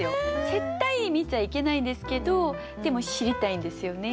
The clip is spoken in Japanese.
絶対見ちゃいけないんですけどでも知りたいんですよね。